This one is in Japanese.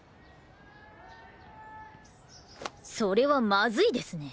それはまずいですね。